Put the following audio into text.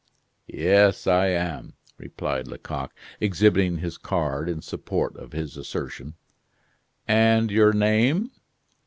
"Yes, I am," replied Lecoq, exhibiting his card in support of his assertion. "And your name?"